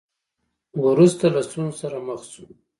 وروسته له ستونزو سره مخ شو.